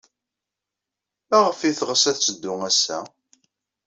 Maɣef ay teɣs ad teddu ass-a?